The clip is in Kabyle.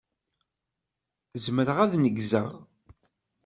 Zemreɣ ad neggzeɣ.